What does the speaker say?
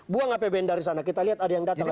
buang apbn dari sana kita lihat ada yang datang